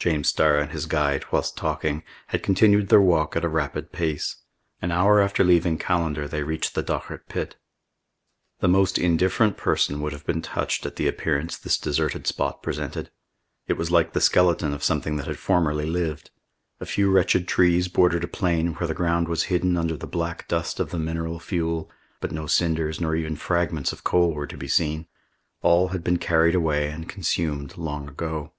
James Starr and his guide, whilst talking, had continued their walk at a rapid pace. An hour after leaving Callander they reached the Dochart pit. The most indifferent person would have been touched at the appearance this deserted spot presented. It was like the skeleton of something that had formerly lived. A few wretched trees bordered a plain where the ground was hidden under the black dust of the mineral fuel, but no cinders nor even fragments of coal were to be seen. All had been carried away and consumed long ago.